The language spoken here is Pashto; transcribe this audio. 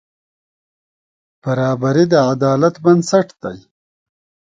برابري د عدالت بنسټ دی.